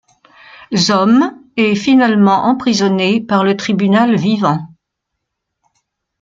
Zom est finalement emprisonné par le Tribunal Vivant.